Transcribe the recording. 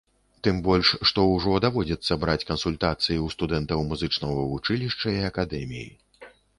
Тым больш, што ўжо даводзіцца браць кансультацыі ў студэнтаў музычнага вучылішча і акадэміі.